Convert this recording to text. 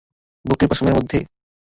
বুকের পশমের মধ্যে?